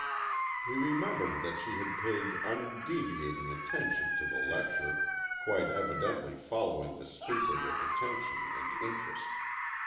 He remembered that she had paid undeviating attention to the lecture, quite evidently following the speaker with attention and interest.